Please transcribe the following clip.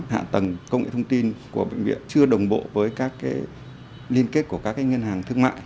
hạ tầng công nghệ thông tin của bệnh viện chưa đồng bộ với các liên kết của các ngân hàng thương mại